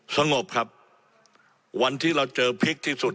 สงบครับวันที่เราเจอพีคที่สุด